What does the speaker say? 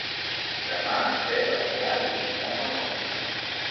Demà en Pep anirà a visitar mon oncle.